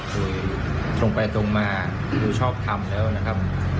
คือตรงไปตรงมาดูชอบทำแล้วนะครับ